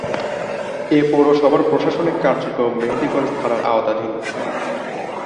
এ পৌরসভার প্রশাসনিক কার্যক্রম মেহেন্দিগঞ্জ থানার আওতাধীন।